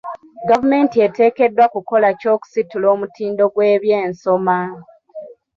Gavumenti eteekeddwa kukola ki okusitula omutindo gw'ebyensoma?